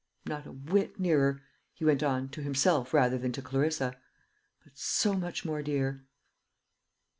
Not a whit nearer," he went on, to himself rather than to Clarissa; "but so much more dear."